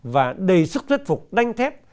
và đầy sức thất phục đánh thép